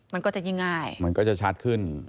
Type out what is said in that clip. มันก็จะยิ่งง่ายมันก็จะชัดขึ้น